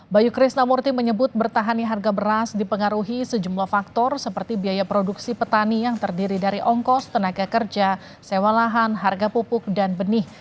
bayu krisnamurti menyebut bertahannya harga beras dipengaruhi sejumlah faktor seperti biaya produksi petani yang terdiri dari ongkos tenaga kerja sewa lahan harga pupuk dan benih